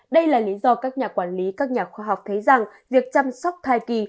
đây là lý do các nhà quản lý các nhà khoa học thấy rằng việc chăm sóc thai kỳ